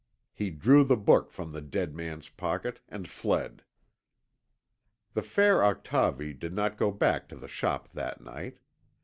He drew the book from the dead man's pocket and fled. The fair Octavie did not go back to the shop that night.